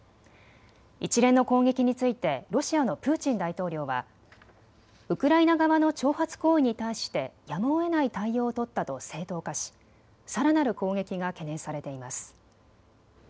一連の攻撃についてロシアのプーチン大統領はウクライナ側の挑発行為に対してやむをえない対応を取ったと正当化し、さらなる攻撃が懸念されています。